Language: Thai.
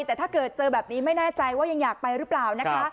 แต่ถ้าเกิดเจอแบบนี้ไม่แน่ใจว่ายังอยากไปหรือเปล่านะคะ